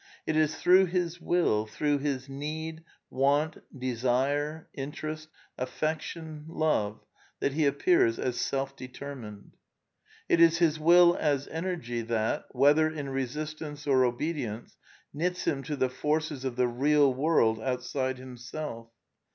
It is through his will, through his need, want, de sire, interest, affection, love, that he appears as self deter mined. It is his will as energy that, whether in resistance or obedience, knits him to the forces of the " real " world outside himself.